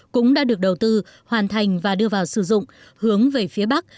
cũng đã được đầu tư hoàn thành và đưa vào sử dụng hướng về phía bắc